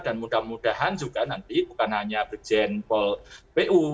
dan mudah mudahan juga nanti bukan hanya brigjen pol pu